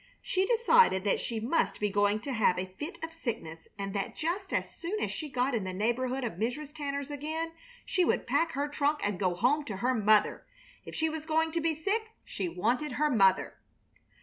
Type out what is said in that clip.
She decided that she must be going to have a fit of sickness, and that just as soon as she got in the neighborhood of Mrs. Tanner's again she would pack her trunk and go home to her mother. If she was going to be sick she wanted her mother.